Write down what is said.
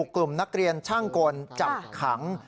กลุ่มนักเรียนช่างกลจับขัง